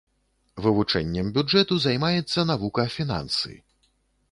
Вывучэннем бюджэту займаецца навука фінансы.